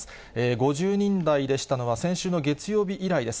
５０人台でしたのは、先週の月曜日以来です。